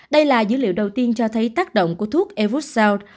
đây là dữ liệu đầu tiên cho thấy tác động của thuốc evuseld